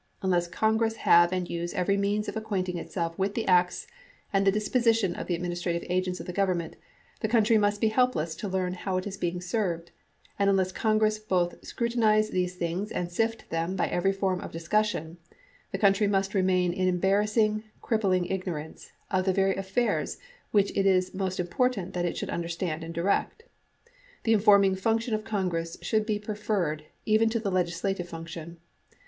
Un less Congress have and use every means of acquainting it self with the acts and the disposition of the administrative agents of the government, the country must be helpless to learn how it is being served ; and unless Congress both scru tinize these things and sift them by every form of discus sion, the country must remain in embarrassing, crippling ignorance of the very affairs which it is most important that it should understand and direct. The informing function of Congress should be preferred even to its legislative function."